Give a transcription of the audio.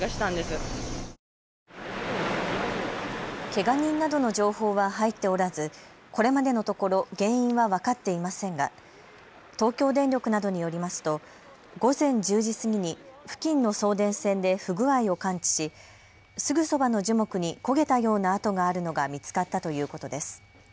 けが人などの情報は入っておらずこれまでのところ原因は分かっていませんが、東京電力などによりますと午前１０時過ぎに付近の送電線で不具合を感知しすぐそばの樹木に焦げたような跡があるのが見つかったということです。